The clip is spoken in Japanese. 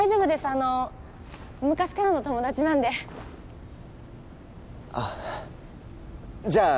あの昔からの友達なんであっじゃあ